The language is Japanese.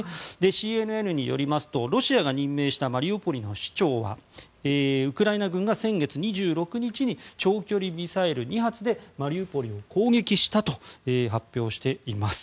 ＣＮＮによりますとロシアが任命したマリウポリの市長がウクライナ軍が先月２６日に長距離ミサイル２発でマリウポリを攻撃したと発表しています。